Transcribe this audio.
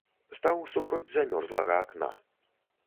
Стаў супроць замёрзлага акна.